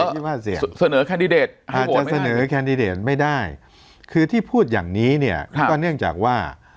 คิดว่าเสนอแคนดิเดตอาจจะเสนอแคนดิเดตไม่ได้คือที่พูดอย่างนี้เนี่ยก็เนื่องจากว่า